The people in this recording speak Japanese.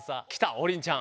王林ちゃん。